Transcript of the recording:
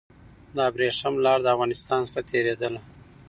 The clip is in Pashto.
د ابريښم لار د افغانستان څخه تېرېدله.